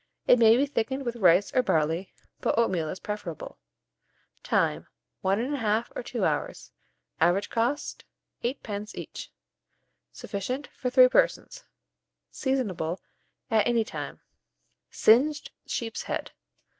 It may be thickened with rice or barley, but oatmeal is preferable. Time. 1 1/2 or 2 hours. Average cost, 8d. each. Sufficient for 3 persons. Seasonable at any time. SINGED SHEEP'S HEAD.